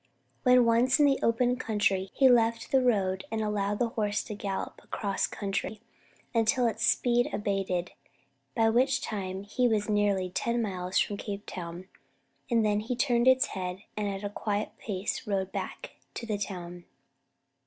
When once in the open country, he left the road, and allowed the horse to gallop across country until its speed abated, by which time he was nearly ten miles from Cape Town; then he turned its head, and at a quiet pace rode back to the town.